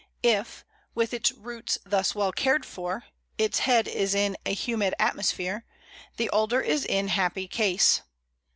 If, with its roots thus well cared for, its head is in a humid atmosphere, the Alder is in happy case.